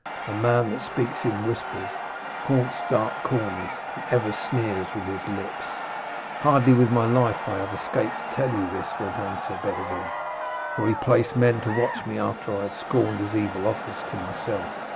'A man that speaks in whispers, haunts dark corners, and ever sneers with his lips.' 'Hardly with my life have I escaped to tell you this,' went on Sir Bedevere, 'for he placed men to watch me after I had scorned his evil offers to myself.